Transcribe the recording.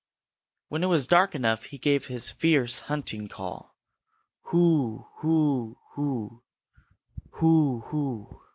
When it was dark enough he gave his fierce hunting call "Whooo hoo hoo, whoo hoo!"